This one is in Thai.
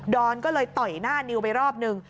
อนก็เลยต่อยหน้านิวไปรอบนึง